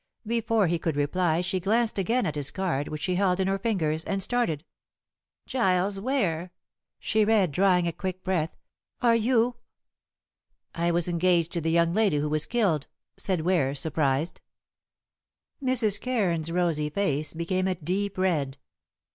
Before he could reply she glanced again at his card, which she held in her fingers, and started. "Giles Ware," she read, drawing a quick breath. "Are you " "I was engaged to the young lady who was killed," said Ware, surprised. Mrs. Cairns' rosy face became a deep red.